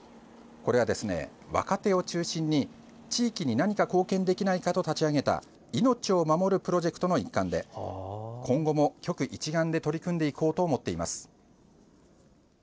これは、若手を中心に地域に何か貢献できないかと立ち上げた命を守るプロジェクトの一環で今後も、局一丸で取り組んでいこうと思っています。